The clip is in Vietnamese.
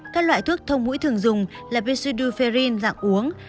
các loại thuốc thông mũi thường dùng là pciduferine dạng uống